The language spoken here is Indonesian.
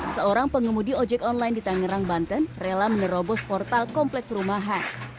seorang pengemudi ojek online di tangerang banten rela menerobos portal komplek perumahan